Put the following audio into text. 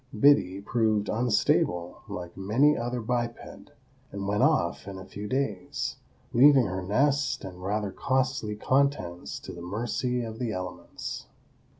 Biddy proved unstable, like many another biped, and went off in a few days, leaving her nest and rather costly contents to the mercy of the elements.